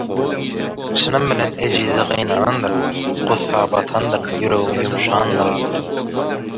Çynym bilen ejize gynanandyryn, gussa batandyryn, ýüregim ýumşandyr öýtdüm.